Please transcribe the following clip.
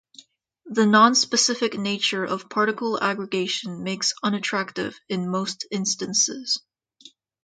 The nonspecific nature of particle aggregation makes unattractive in most instances.